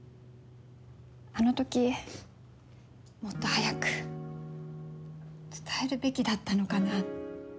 あの時もっと早く伝えるべきだったのかな。